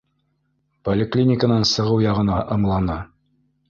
Поликлиниканан сығыу яғына ымланы.